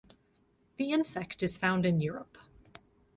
The insect is found in Europe.